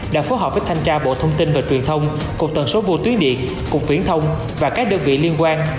đã phối hợp với thanh tra bộ thông tin và truyền thông cục tần số vô tuyến điện cục viễn thông và các đơn vị liên quan